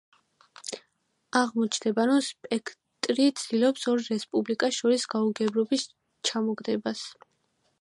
აღმოჩნდება, რომ სპექტრი ცდილობს ორ რესპუბლიკას შორის გაუგებრობის ჩამოგდებას.